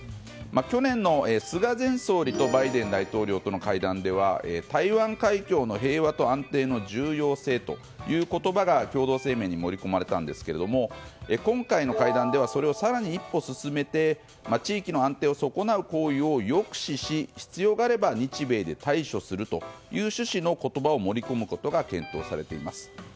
去年の菅前総理とバイデン大統領との会談では台湾海峡の平和と安定の重要性という言葉が共同声明に盛り込まれたんですけれども今回の会談ではそれを更に一歩進めて地域の安定を損なう行為を抑止し必要があれば日米で対処するという趣旨の言葉を盛り込むことが検討されています。